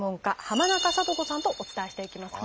浜中聡子さんとお伝えしていきます。